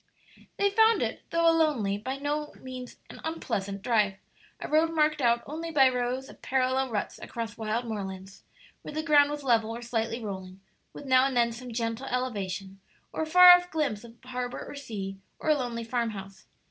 They found it, though a lonely, by no means an unpleasant, drive a road marked out only by rows of parallel ruts across wild moorlands, where the ground was level or slightly rolling, with now and then some gentle elevation, or a far off glimpse of harbor or sea, or a lonely farmhouse.